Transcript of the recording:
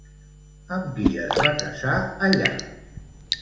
Amb qui es va casar allà?